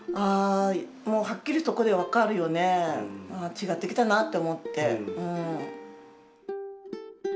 違ってきたなって思って。